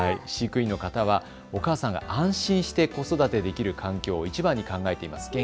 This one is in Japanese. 飼育員の方はお母さんが安心して子育てできる環境をいちばんに考えています。